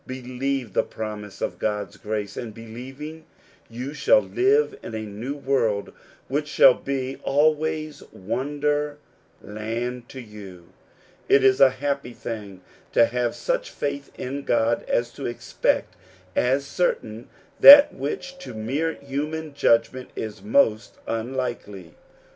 Believe the promise of God's grace, and believing, you shall live in a new world which shall be always wonder land to you. It is a happy thing to have such faith in God as to expect as certain that which to mere human judgment is most unlikely.